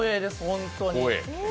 本当に。